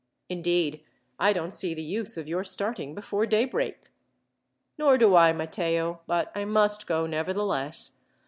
Indeed, I don't see the use of your starting before daybreak." "Nor do I, Matteo; but I must go, nevertheless.